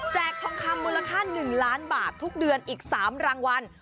ทองคำมูลค่า๑ล้านบาททุกเดือนอีก๓รางวัล